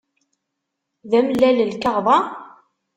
D amellal lkaɣeḍ-a?